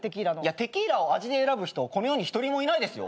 テキーラを味で選ぶ人この世に一人もいないですよ。